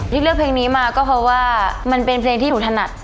เลือกเพลงนี้มาก็เพราะว่ามันเป็นเพลงที่หนูถนัด